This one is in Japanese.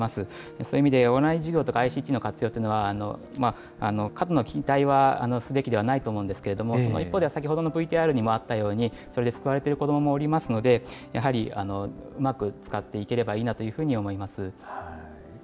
そういう意味でオンライン授業とか、ＩＴＣの活用というのは、過度な期待はすべきではないと思うんですけれども、その一方では先ほどのＶＴＲにもあったように、それで救われている子どももおりますので、やはりうまく使っていければいいなというふうに思いま